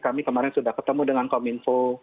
kami kemarin sudah ketemu dengan kominfo